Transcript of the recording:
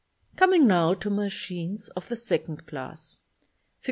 Coming now to machines of the second class, Fig.